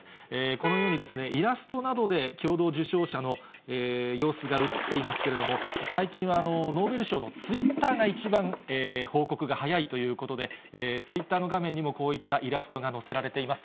このように、イラストなどで共同受賞者の様子が映っていますけれども、最近はノーベル賞のツイッターが、一番報告が早いということで、ツイッターの画面にもこういったイラストが載せられています。